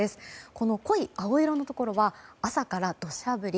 この濃い青色のところは朝から土砂降り。